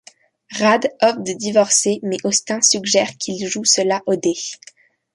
Radd offre de divorcer, mais Austin suggère qu'il joue cela aux dés.